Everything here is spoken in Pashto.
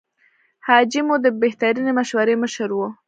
حاجي مو د بهترینې مشورې مشر و.